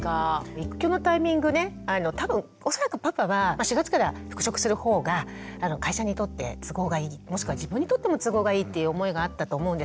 育休のタイミングね多分恐らくパパは４月から復職するほうが会社にとって都合がいいもしくは自分にとっても都合がいいっていう思いがあったと思うんです。